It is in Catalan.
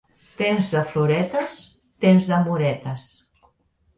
Temps de floretes, temps d'amoretes.